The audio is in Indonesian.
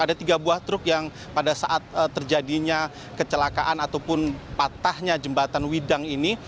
ada tiga buah truk yang pada saat terjadinya kecelakaan ataupun patahnya jembatan widang ini